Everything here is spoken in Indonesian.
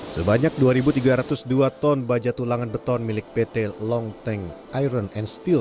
sebanyak dua tiga ratus dua ton baja tulangan beton milik pt long teng iron and steel